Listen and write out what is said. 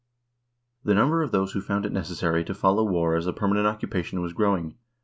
The number of those who found it necessary to follow war as a permanent occupa tion was growing.